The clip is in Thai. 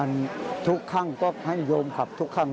มันทุกขั้งซ่อมให้โยมขับทุกขั้ง